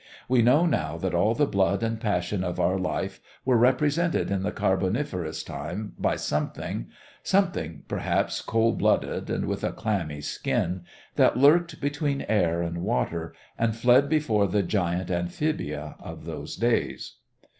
We know now that all the blood and passion of our life were represented in the Carboniferous time by something something, perhaps, cold blooded and with a clammy skin, that lurked between air and water, and fled before the giant amphibia of those days.